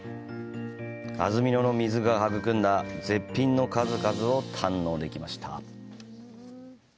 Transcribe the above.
安曇野の水が育んだ絶品の数々を堪能できました。